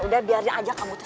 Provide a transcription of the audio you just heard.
udah biar dia ajak kamu tuh